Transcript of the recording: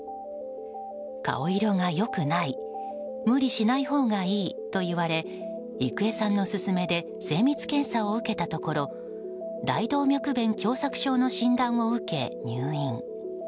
顔色が良くない無理しないほうがいいと言われ郁恵さんの勧めで精密検査を受けたところ大動脈弁狭窄症の診断を受け入院。